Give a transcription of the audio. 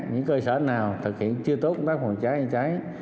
những cơ sở nào thực hiện chưa tốt công tác phòng cháy chữa cháy